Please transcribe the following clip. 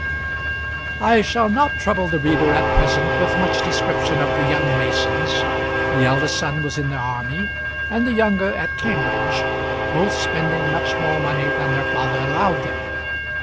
I shall not trouble the reader at present with much description of the young Masons. The eldest son was in the army, and the younger at Cambridge, both spending much more money than their father allowed them.